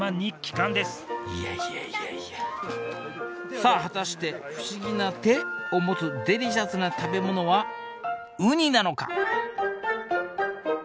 いやいやいやいやさあ果たして不思議な手？を持つデリシャスな食べ物はウニなのか？